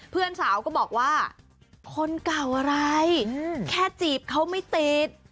เพื่อนสาวก็บอกว่าคนเก่าอะไรแค่จีบเขาไม่ติด